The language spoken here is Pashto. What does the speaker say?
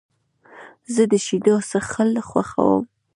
زه د شیدو څښل خوښوم.